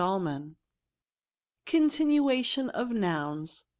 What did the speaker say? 135 CONTINUATION OF NOUNS.